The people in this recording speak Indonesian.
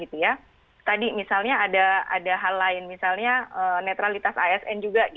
tadi misalnya ada hal lain misalnya netralitas asn juga